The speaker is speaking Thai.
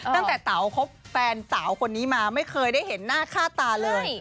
ตั้งแต่เหลือเป็นแฟนเต๋าคนนี้มาไม่เคยได้เห็นหน้าฆ่าตาเลย